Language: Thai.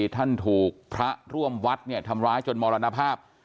ท่านถูกพระร่วมวัดทำร้ายจนมรณภาพ